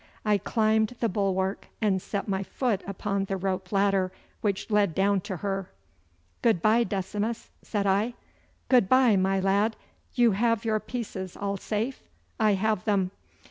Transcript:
I climbed the bulwark and set my foot upon the rope ladder which led down to her. 'Good bye, Decimus!' said I. 'Good bye, my lad! You have your pieces all safe?' 'I have them.